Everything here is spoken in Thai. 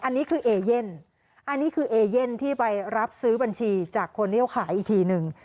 อันนี้คือเอเย่นที่ไปรับซื้อบัญชีจากคนเรียวขายอีกทีนึง